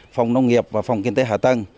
phòng nông nghiệp và phòng kiên tế hạ tầng